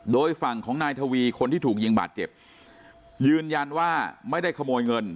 โดยฝั่งของนายทวีคนที่ถูกยิงบาดเจ็บยืนยันว่าไม่ได้ขโมยเงิน